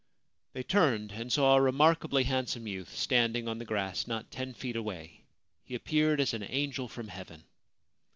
They turned, and saw a remarkably handsome youth standing on the grass not ten feet away. He appeared as an angel from Heaven.